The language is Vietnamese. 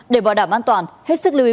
để bảo đảm an toàn hết sức lưu ý